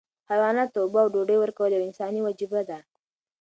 حیواناتو ته اوبه او ډوډۍ ورکول یوه انساني وجیبه ده.